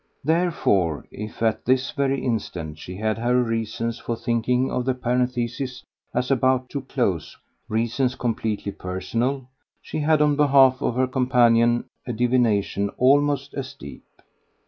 Therefore if at this very instant she had her reasons for thinking of the parenthesis as about to close reasons completely personal she had on behalf of her companion a divination almost as deep.